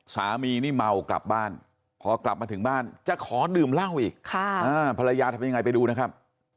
สามีนี่เมากลับบ้านพอกลับมาถึงบ้านจะขอดื่มเหล้าอีกภรรยาทำยังไงไปดูนะครับ